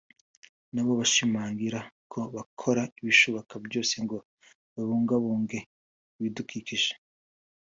nabo bashimangira ko bakora ibishoboka byose ngo babungabunge ibidukikije